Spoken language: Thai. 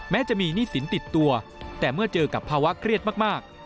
แม้จะมีหนี้สินติดตัวแต่เมื่อเจอกับภาวะเครียดมาก